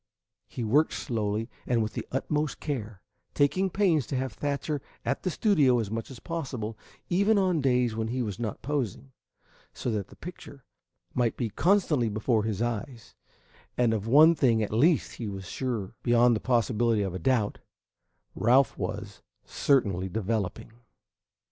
He worked slowly and with the utmost care, taking pains to have Thatcher at the studio as much as possible even on days when he was not posing, so that the picture might be constantly before his eyes; and of one thing at least he was sure beyond the possibility of a doubt Ralph was certainly developing.